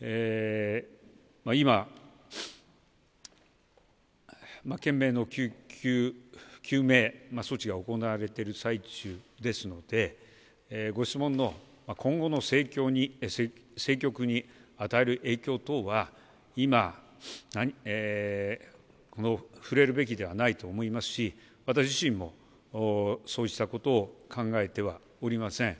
今、懸命の救急救命措置が行われている最中ですので、ご質問の今後の政局に与える影響等は、今、触れるべきではないと思いますし、私自身もそうしたことを考えてはおりません。